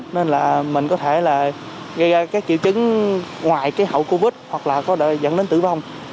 nên là mình có thể là gây các triệu chứng ngoài cái hậu covid hoặc là có dẫn đến tử vong